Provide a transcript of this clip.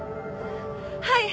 はい。